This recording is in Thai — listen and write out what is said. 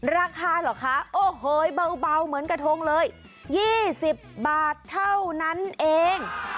ราคาเหรอคะโอ้โหเบาเหมือนกระทงเลย๒๐บาทเท่านั้นเอง